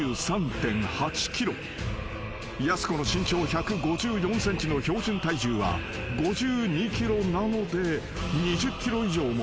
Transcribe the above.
［やす子の身長１５４ｃｍの標準体重は５２ｋｇなので２０ｋｇ以上もオーバーしている］